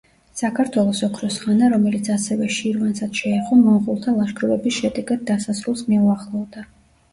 საქართველოს ოქროს ხანა, რომელიც ასევე შირვანსაც შეეხო, მონღოლთა ლაშქრობების შედეგად დასასრულს მიუახლოვდა.